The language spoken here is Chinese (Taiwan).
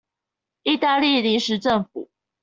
義大利臨時政府